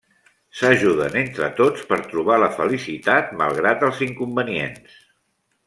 S'ajuden entre tots per trobar la felicitat malgrat els inconvenients.